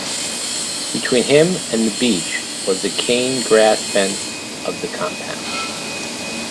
Between him and the beach was the cane-grass fence of the compound.